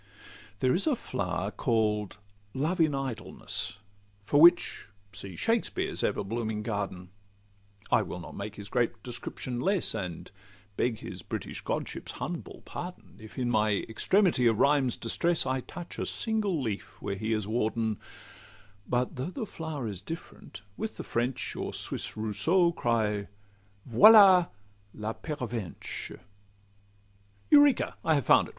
There is a flower call'd 'Love in Idleness,' For which see Shakspeare's everblooming garden;— I will not make his great description less, And beg his British godship's humble pardon, If in my extremity of rhyme's distress, I touch a single leaf where he is warden;— But though the flower is different, with the French Or Swiss Rousseau, cry 'Voila la Pervenche!' Eureka! I have found it!